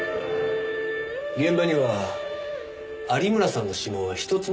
現場には有村さんの指紋は１つも残っていませんでした。